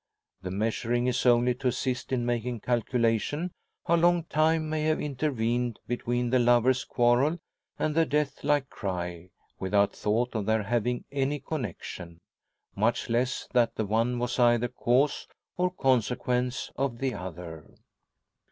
The measuring is only to assist in making calculation how long time may have intervened between the lovers' quarrel and the death like cry, without thought of their having any connection much less that the one was either cause or consequence of the other.